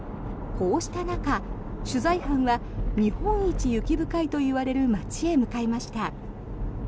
こうした中、取材班は日本一雪深いといわれる町へ向かいました。